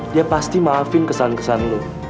dia pasti maafkan kesan kesan kamu